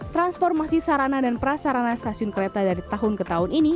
transformasi sarana dan prasarana stasiun kereta dari tahun ke tahun ini